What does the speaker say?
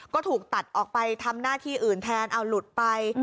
ก็ถูกตัดออกไปทำหน้าที่อื่นแทนเอาหลุดไป